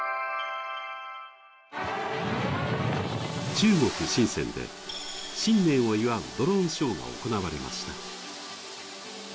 中国・深センで新年を祝うドローンショーが行われました。